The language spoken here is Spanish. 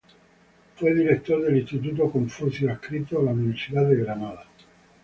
Fue director del Instituto Confucio adscrito a la Universidad de Granada.